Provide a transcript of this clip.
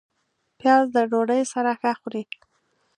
پیاز د ډوډۍ سره ښه خوري